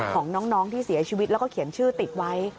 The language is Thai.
ของน้องที่เสียชีวิตแล้วก็เขียนชื่อติดไว้